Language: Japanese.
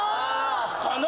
・かな？